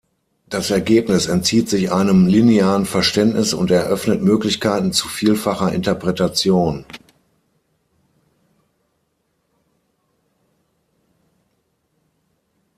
Das Ergebnis entzieht sich einem linearen Verständnis und eröffnet Möglichkeiten zu vielfacher Interpretation.